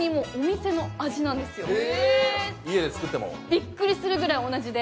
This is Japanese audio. びっくりするぐらい同じで。